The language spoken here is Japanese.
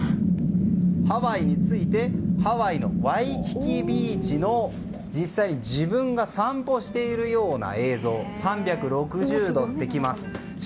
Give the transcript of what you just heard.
ハワイに着いてハワイのワイキキビーチの実際に自分が散歩をしているような映像を３６０度できます。